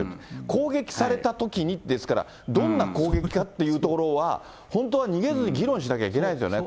攻撃されたときにですから、どんな攻撃かっていうところは、本当は逃げずに議論しなきゃいけないんですよね。